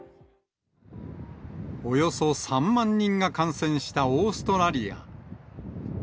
およそ３万人が感染したオーストラリア。